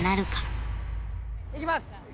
いきます！